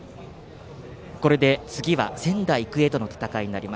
これで次は仙台育英との戦いになります。